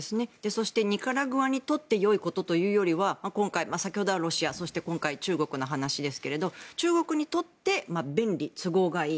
そして、ニカラグアにとって良いことというよりは今回、先ほどはロシア今回は中国の話ですけど中国にとって便利、都合がいい。